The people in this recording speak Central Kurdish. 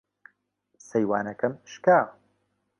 سەیوانەکەم شکا.